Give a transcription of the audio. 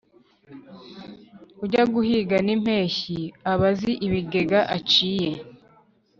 Ujya guhiga n’impeshyi aba azi ibigega aciye